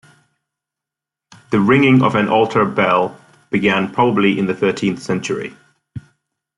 The ringing of an altar bell began probably in the thirteenth century.